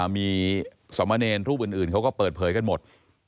มีสมเนรรูปอื่นเขาก็เปิดเผยกันหมด